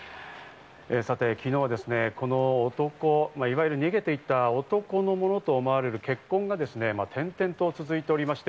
昨日、この男、いわゆる逃げていた男のものと思われる血痕が点々と続いておりました。